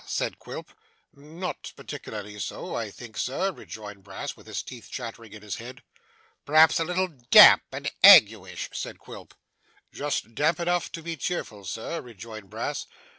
said Quilp. 'N not particularly so, I think, sir,' rejoined Brass, with his teeth chattering in his head. 'Perhaps a little damp and ague ish?' said Quilp. 'Just damp enough to be cheerful, sir,' rejoined Brass.